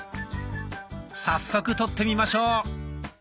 早速撮ってみましょう。